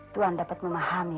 tuhan dapat memahami